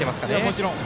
もちろん。